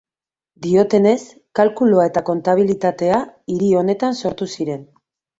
Diotenez, kalkulua eta kontabilitatea hiri honetan sortu ziren.